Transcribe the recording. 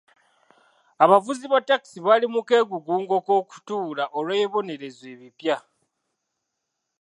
Abavuzi ba taxi bali mu keegugungo k'okutuula olw'ebibonerezo ebipya.